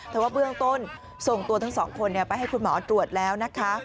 แต่ว่าเบื้องต้นส่งตัวทั้งสองคนไปให้คุณหมอตรวจแล้วนะคะ